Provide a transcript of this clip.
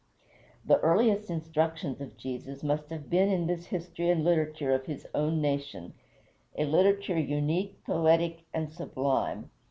The earliest instructions of Jesus must have been in this history and literature of his own nation a literature unique, poetic, and sublime.